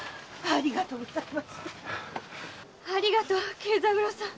ありがとう慶三郎さん。